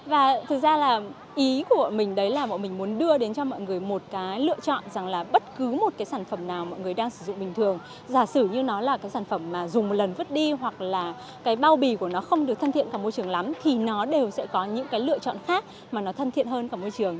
và thực ra là ý của mình đấy là bọn mình muốn đưa đến cho mọi người một cái lựa chọn rằng là bất cứ một cái sản phẩm nào mọi người đang sử dụng bình thường giả sử như nó là cái sản phẩm mà dùng một lần vứt đi hoặc là cái bao bì của nó không được thân thiện cả môi trường lắm thì nó đều sẽ có những cái lựa chọn khác mà nó thân thiện hơn cả môi trường